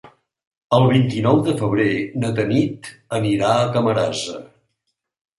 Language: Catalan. El vint-i-nou de febrer na Tanit anirà a Camarasa.